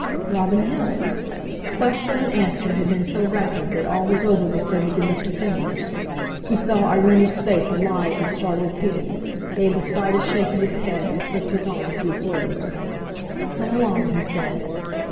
"Robin Hill." Question and answer had been so rapid that all was over before he could lift a finger. He saw Irene's face alive with startled feeling, gave the slightest shake of his head, and slipped his arm through Fleur's. "Come along!" he said.